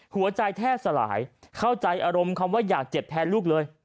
หัวใจแทบสลายเข้าใจอารมณ์คำว่าอยากเจ็บแทนลูกเลย